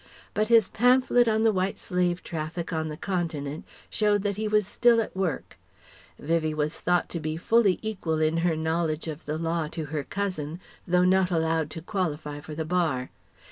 But his pamphlet on the White Slave Traffic on the Continent showed that he was still at work. Vivie was thought to be fully equal in her knowledge of the law to her cousin, though not allowed to qualify for the Bar.